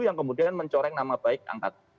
yang kemudian mencoreng nama baik angkat